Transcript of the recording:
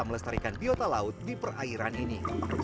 melestarikan biota laut di perairan ini